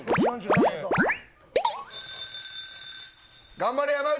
頑張れ山内。